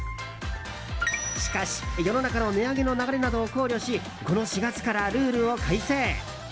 しかし、世の中の値上げの流れなどを考慮しこの４月からルールを改定。